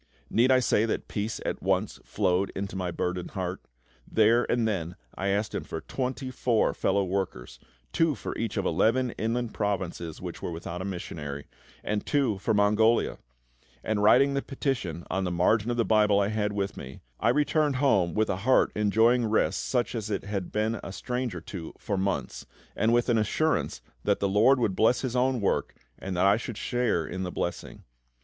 Need I say that peace at once flowed into my burdened heart? There and then I asked Him for twenty four fellow workers, two for each of eleven inland provinces which were without a missionary, and two for Mongolia; and writing the petition on the margin of the Bible I had with me, I returned home with a heart enjoying rest such as it had been a stranger to for months, and with an assurance that the LORD would bless His own work and that I should share in the blessing.